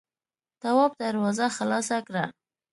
تواب دروازه خلاصه کړه.